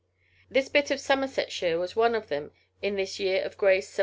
This bit of Somersetshire was one of them in this year of grace 1793.